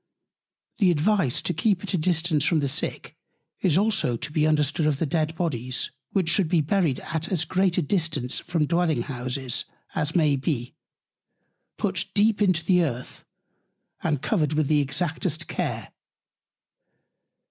The Advice to keep at a Distance from the Sick, is also to be understood of the Dead Bodies: which should be buried at as great a Distance from Dwelling Houses, as may be; put deep in the Earth; and covered with the exactest Care.